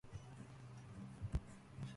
He appeared regularly on the Sun News Network.